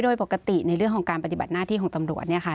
โดยปกติในเรื่องของการปฏิบัติหน้าที่ของตำรวจเนี่ยค่ะ